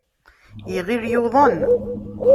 Iɣil yuḍen.